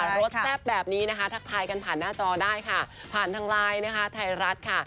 รสแซ่บแบบนี้นะคะทักทายกันผ่านหน้าจอได้ค่ะผ่านทางไลน์นะคะไทยรัฐค่ะ